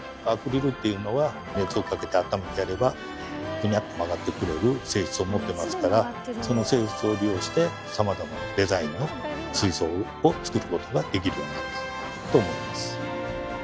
アクリルっていうのは熱をかけてあっためてやればフニャッと曲がってくれる性質を持ってますからその性質を利用してさまざまなデザインの水槽を造ることができるようになったと思います。